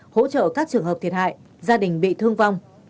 hỗ trợ các trường hợp thiệt hại gia đình bị thương vong